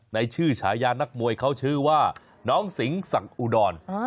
ในชื่อฉายานักมวยเขาชื่อว่าน้องสิงศักดิอุดร